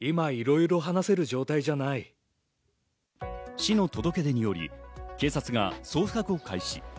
市の届け出により警察が捜索を開始。